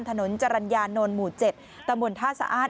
ถนนจรัญญานนท์หมู่๗ตะบุ่นท่าสะอ้าน